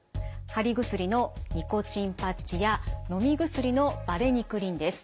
貼り薬のニコチンパッチやのみ薬のバレニクリンです。